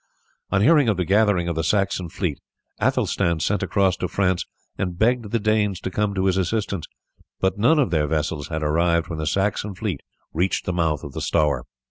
On hearing of the gathering of the Saxon fleet Athelstan sent across to France and begged the Danes to come to his assistance, but none of their vessels had arrived when the Saxon fleet reached the mouth of the Stour.